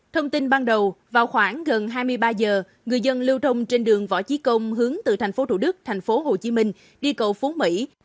thông tin ban đầu vào khoảng gần hai mươi ba giờ người dân lưu thông trên đường võ chí công hướng từ tp thủ đức tp hồ chí minh đi cầu phú mỹ